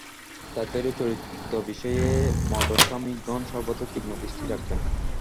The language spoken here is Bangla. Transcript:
তাদেরও চরিত্র-বিষয়ে মঠস্বামিগণ সর্বদা তীক্ষ্ণ দৃষ্টি রাখবেন।